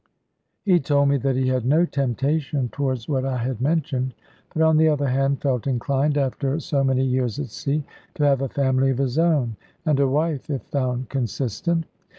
He told me that he had no temptation towards what I had mentioned; but on the other hand felt inclined, after so many years at sea, to have a family of his own; and a wife, if found consistent.